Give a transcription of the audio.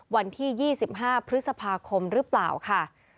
วันที่๒๕พฤษภาคมหรือเปล่าค่ะ